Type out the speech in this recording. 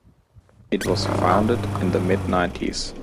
It was founded in the mid-nineties.